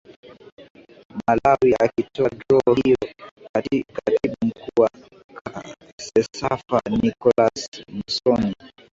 malawi akitoa draw hiyo katibu mkuu wa cecafa nicholas msonyi